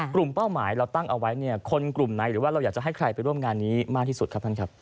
เป้าหมายเราตั้งเอาไว้เนี่ยคนกลุ่มไหนหรือว่าเราอยากจะให้ใครไปร่วมงานนี้มากที่สุดครับท่านครับ